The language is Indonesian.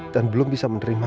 dan belum bisa menerima